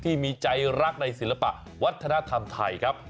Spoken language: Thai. ที่มีใจรักในศิลปะวัฒนธรรมไทยครับ